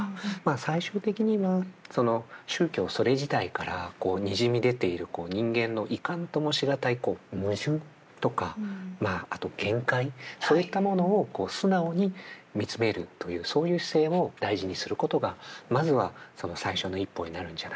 最終的には宗教それ自体からにじみ出ている人間のいかんともし難い矛盾とかまああと限界そういったものを素直に見つめるというそういう姿勢を大事にすることがまずはその最初の一歩になるんじゃないか。